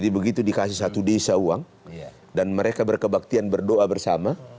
dan itu dikasih satu desa uang dan mereka berkebaktian berdoa bersama